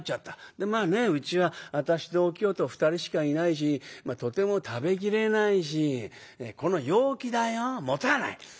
でまあねうちは私とお清と２人しかいないしとても食べきれないしこの陽気だよもたない。